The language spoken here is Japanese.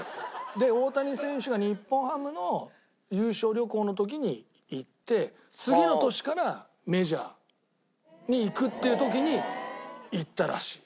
で大谷選手が日本ハムの優勝旅行の時に行って次の年からメジャーに行くっていう時に行ったらしい。